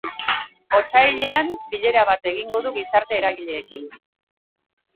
Otsailean bilera bat egingo du gizarte eragileekin.